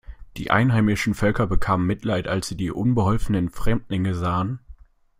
Die einheimischen Völker bekamen Mitleid, als sie die unbeholfenen Fremdlinge sahen.